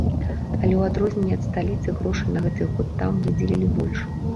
Але ў адрозненні ад сталіцы грошай на гэты год там выдзелілі больш.